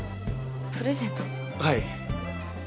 はい。